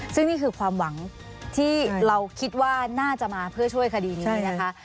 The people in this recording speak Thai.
ซึ่งนี่คือความหวังที่เราคิดว่าน่าจะมาเพื่อช่วยคดีนี้นะคะ